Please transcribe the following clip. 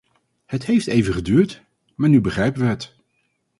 Het heeft even geduurd, maar nu begrijpen we het.